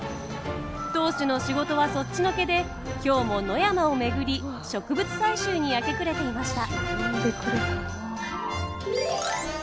当主の仕事はそっちのけで今日も野山を巡り植物採集に明け暮れていました。